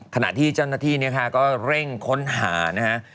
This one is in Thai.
ขณะที่เจ้าหน้าที่ก็เร่งค้นหานะครับ